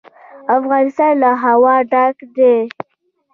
افغانستان له هوا ډک دی.